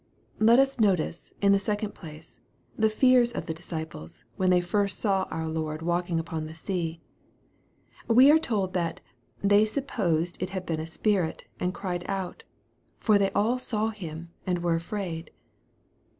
Let us notice, in the second place, the fears of the dis ciples t when they first saw our Lord walking upon the sea. We are told that " they supposed it had been a spirit, and cried out. For they all saw Him, and were afraid."